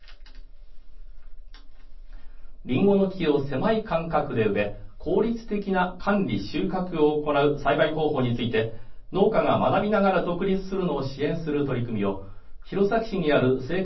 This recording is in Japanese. りんごの木を狭い間隔で植え効率的な管理、収穫を行う栽培方法について農家が学びながら独立するのを支援する取り組みを弘前市にある青果